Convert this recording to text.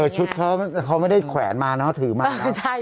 ชุดเขาไม่ได้แขวนมาถือมาแล้ว